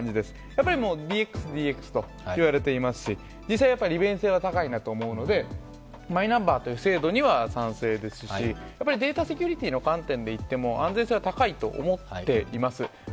やっぱりＤＸ、ＤＸと言われていますし、実際利便性は高いなと思うのでマイナンバーという制度には賛成ですし、データセキュリティーの観点でいっても安全性は高いと思っています。